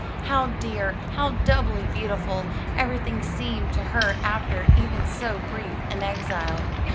How dear, how doubly beautiful, everything seemed to her after even so brief an exile.